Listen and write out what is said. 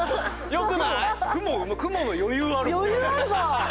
よくない？